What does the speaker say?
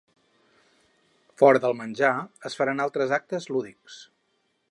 Fora del menjar, es faran altres actes lúdics.